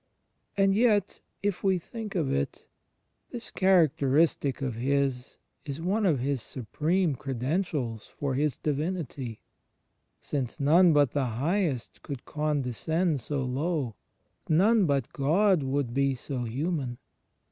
And yet, if we think of it, this characteristic of His is one of His supreme creden tials for His Divinity; since none but the Highest could condescend so low — none but God would be so human.